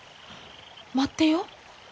待ってよ。